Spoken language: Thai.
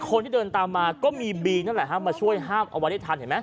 คนที่เดินตามมันก็มีบีทร์นั่นแหละช่วยห้ามเอาไว้ได้ทัน